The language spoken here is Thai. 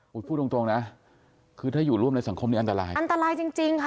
พูดตรงตรงนะคือถ้าอยู่ร่วมในสังคมนี้อันตรายอันตรายจริงจริงค่ะ